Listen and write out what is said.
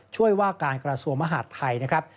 ช่วยว่าการกระทรวงมหาดไทยนะครับ